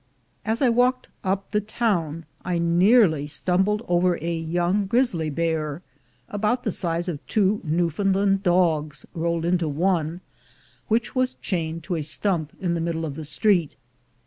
As I walked up the town I nearly stumbled over a young grizzly bear, about the size of two Newfound land dogs rolled into one, which was chained to a stump in the middle of the street.